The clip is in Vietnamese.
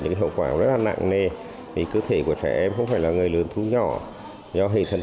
cái hậu quả rất là nặng nề vì cơ thể của trẻ em không phải là người lớn thu nhỏ do hệ thần